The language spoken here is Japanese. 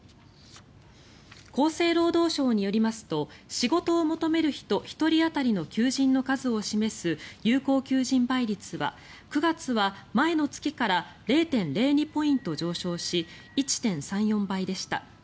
厚生労働省によりますと仕事を求める人１人当たりの求人の数を示す有効求人倍率は９月は、前の月から０．０２ポイント上昇し１．３４倍でした。